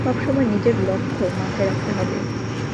সবসময় নিজের লক্ষ মাথায় রাখতে হবে।